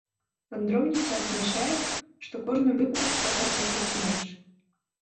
Вандроўніца адзначае, што кожны выпадак трэба ацэньваць інакш.